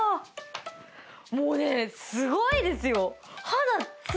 もうねすごいですよ。